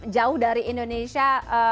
jauh dari indonesia